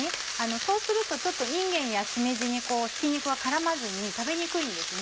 そうするとちょっといんげんやしめじにひき肉が絡まずに食べにくいんですね。